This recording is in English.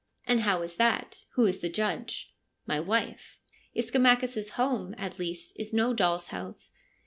' And how is that ? Who is the judge ?' 'My wife.' Ischomachus' home, at least, is no doll's house.